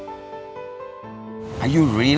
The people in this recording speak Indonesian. apakah kamu benar